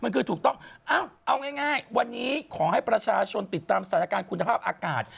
มันคือถูกต้องเอาง่ายวันนี้ขอให้ประชาชนติดตามสถานการณ์คุณภาพอากาศ